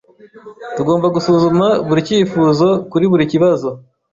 Tugomba gusuzuma buri cyifuzo kuri buri kibazo.